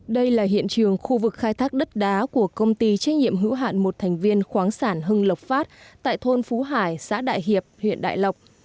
đây là hiện trường khu vực khai thác đất đá của công ty trách nhiệm hữu hạn một thành viên khoáng sản hưng lộc phát tại thôn phú hải xã đại hiệp huyện đại lộc